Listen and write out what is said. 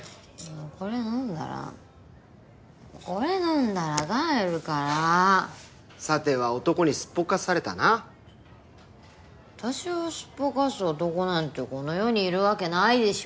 これ飲んだらこれ飲んだら帰るからさては男にすっぽかされたな私をすっぽかす男なんてこの世にいるわけないでしょ